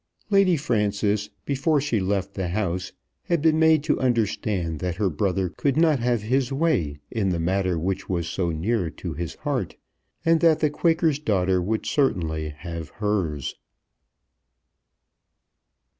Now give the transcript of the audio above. Lady Frances, before she left the house, had been made to understand that her brother could not have his way in the matter which was so near his heart, and that the Quaker's daughter would certainly have hers.